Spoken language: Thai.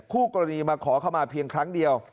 คู่กรณีมาขอเข้ามาเพียงครั้งเดียว